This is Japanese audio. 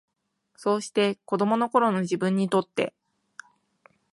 そうして、子供の頃の自分にとって、